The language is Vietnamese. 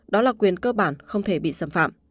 đó là quyền cơ bản không thể bị xâm phạm